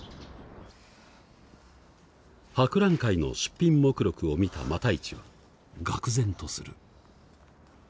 博覧会の出品目録を見た復一はがく然とする。